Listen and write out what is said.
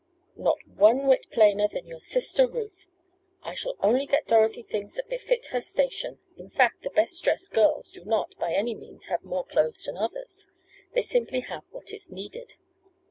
"Not one whit plainer than your sister Ruth. I shall only get Dorothy things that befit her station, in fact the best dressed girls do not, by any means have more clothes than others. They simply have what is needed."